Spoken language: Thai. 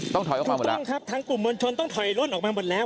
ต้องถอยออกมาหมดถูกต้องครับทางกลุ่มมวลชนต้องถอยล่นออกมาหมดแล้ว